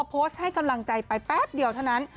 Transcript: โพสต์ให้กำลังใจไปแป๊บเดียวเท่านั้น